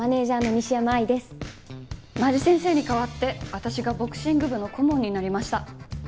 間地先生に代わって私がボクシング部の顧問になりました。